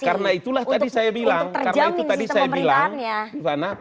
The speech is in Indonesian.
untuk terjamin sistem pemerintahannya